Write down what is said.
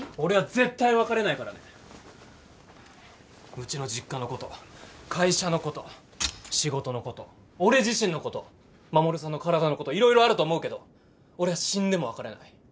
うちの実家のこと会社のこと仕事のこと俺自身のこと衛さんの体のこと色々あると思うけど俺は死んでも別れない。